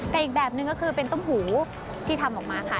แต่อีกแบบนึงก็คือเป็นต้มหูที่ทำออกมาค่ะ